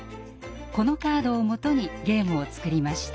このカードをもとにゲームを作りました。